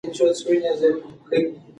ادبیات د منځپانګې له مخې متنوع دي.